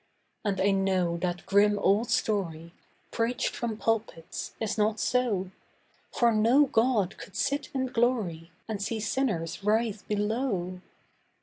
And I know that grim old story, Preached from pulpits, is not so, For no God could sit in glory And see sinners writhe below.